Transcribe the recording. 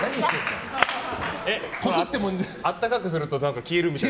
温かくすると消えるみたいな。